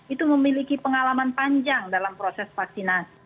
itu memiliki pengalaman panjang dalam proses vaksinasi